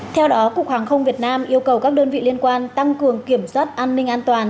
theo đó cục hàng không việt nam yêu cầu các đơn vị liên quan tăng cường kiểm soát an ninh an toàn